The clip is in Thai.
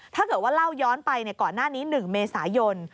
ถ้าเกิดว่าเล่าย้อนไปก่อนหน้านี้๑เมษายน